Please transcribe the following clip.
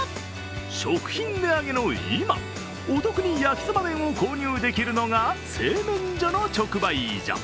食品値上げの今、お得に焼きそば麺を購入できるのが製麺所の直売所。